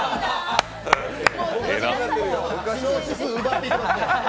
知能指数、奪っていきますね。